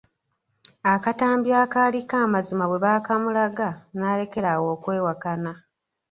Akatambi akaaliko amazima bwe baakamulaga n'alekera awo okwewakana.